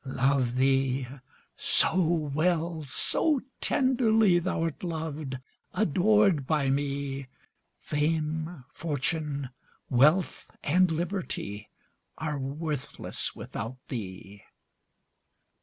Love thee? so well, so tenderly, Thou'rt loved, adored by me, Fame, fortune, wealth, and liberty, Are worthless without thee.